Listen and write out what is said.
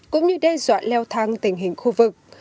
cũng như đe dọa leo thang tình hình khu vực